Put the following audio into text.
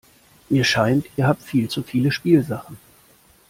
Mir scheint, ihr habt viel zu viele Spielsachen.